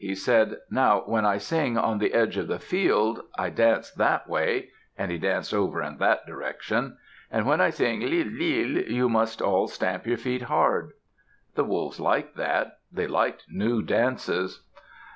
He said, "Now when I sing 'on the edge of the field,' I dance that way" and he danced over in that direction; "and when I sing 'lil! lil!' you must all stamp your feet hard." The Wolves liked that. They liked new dances.